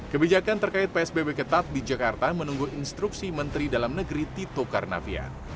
kebijakan terkait psbb ketat di jakarta menunggu instruksi menteri dalam negeri tito karnavian